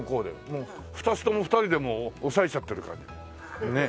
もう２つとも２人で押さえちゃってるねえ。